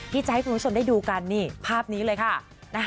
ที่จะให้คุณผู้ชมได้ดูกันนี่ภาพนี้เลยค่ะ